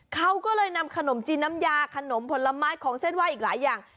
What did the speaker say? เขาก็เลยนำขนมจีนน้ำยาขนมผลไม้ของเส้นไหว้อีกหลายอย่าง